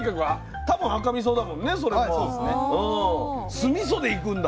酢味噌でいくんだ。